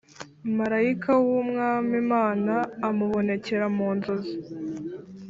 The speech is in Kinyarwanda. marayika w’Umwami Imana amubonekera mu nzozi